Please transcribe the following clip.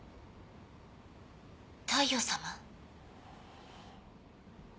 大陽さま？